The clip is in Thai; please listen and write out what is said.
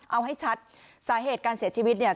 เอาให้ชัดสาเหตุการเสียชีวิตเนี่ย